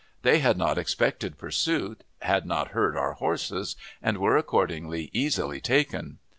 They had not expected pursuit, had not heard our horses, and were accordingly easily taken.